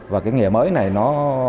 và cái nghề mới này nó